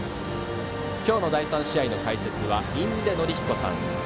今日の第３試合の解説は印出順彦さん。